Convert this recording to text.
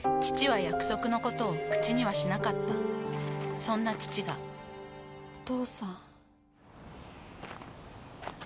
父は約束のことを口にはしなかったそんな父がお父さん。